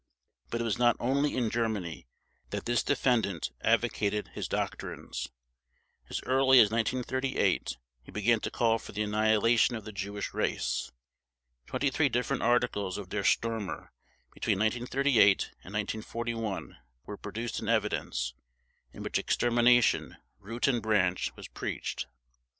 But it was not only in Germany that this defendant advocated his doctrines. As early as 1938 he began to call for the annihilation of the Jewish race. Twenty three different articles of Der Stürmer between 1938 and 1941 were produced in evidence, in which extermination "root and branch" was preached.